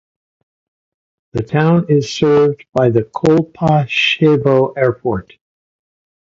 The town is served by the Kolpashevo Airport.